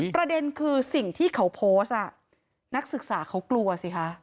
ประเด็นคือสิ่งที่เขาโพสต์นักศึกษาเขากลัวสิคะ